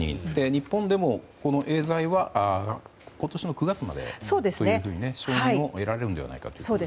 日本でもエーザイは今年の９月までに承認を得られるのではないかということです。